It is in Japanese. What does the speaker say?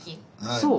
そう。